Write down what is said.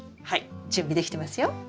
はい準備できてますよ。